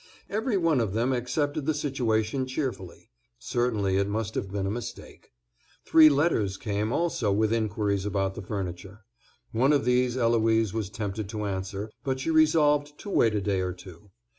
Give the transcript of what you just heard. Every one of them accepted the situation cheerfully; certainly it must have been a mistake. Three letters came also with inquiries about the furniture. One of these Eloise was tempted to answer; but she resolved to wait a day or two.